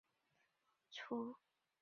根状茎短而粗。